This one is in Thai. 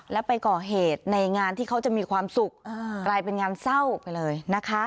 แล้วไปก่อเหตุในงานที่เขาจะมีความสุขกลายเป็นงานเศร้าไปเลยนะคะ